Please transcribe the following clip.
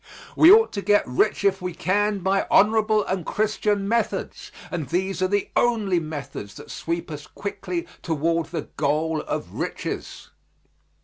We ought to get rich if we can by honorable and Christian methods, and these are the only methods that sweep us quickly toward the goal of riches.